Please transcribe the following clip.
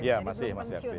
iya masih aktif